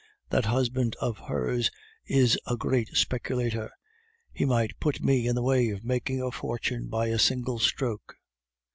That husband of hers is a great speculator; he might put me in the way of making a fortune by a single stroke."